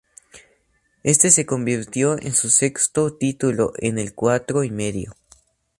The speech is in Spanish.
Este se convirtió en su sexto título en el Cuatro y Medio.